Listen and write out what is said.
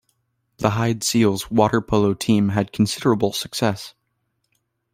The Hyde Seals water polo team had considerable success.